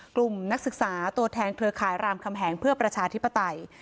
นักศึกษาตัวแทนเครือข่ายรามคำแหงเพื่อประชาธิปไตย